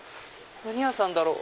何屋さんだろう？